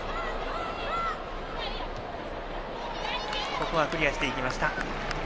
ここはクリアしていきました。